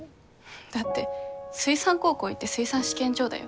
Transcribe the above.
だって水産高校行って水産試験場だよ？